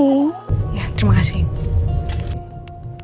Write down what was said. iya terima kasih